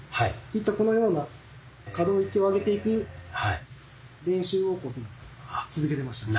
このような可動域を上げていく練習をこういうふうに続けてましたね。